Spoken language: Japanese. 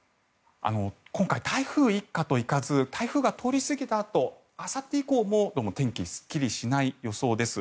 今回、台風一過といかず台風が通り過ぎたあとあさって以降も、どうも天気すっきりしない予想です。